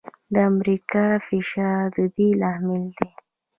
د امریکا فشار د دې لامل دی.